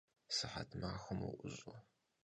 Sıhet maxuem vu'uş'e!